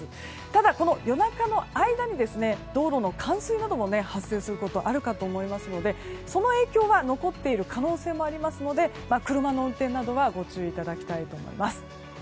ただ、夜中の間に道路の冠水なども発生することあるかと思いますのでその影響は残っている可能性もあるかと思いますので車の運転などはご注意いただきたいと思います。